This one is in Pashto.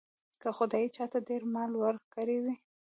که خدای چاته ډېر مال ورکړی وي.